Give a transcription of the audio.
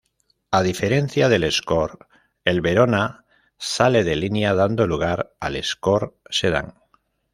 A diferencia del Escort, el Verona sale de línea, dando lugar al Escort Sedan.